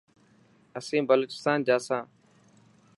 اسين بلوچستان جا سان.